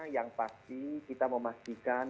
yang pasti kita memastikan